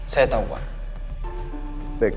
saya tahu pak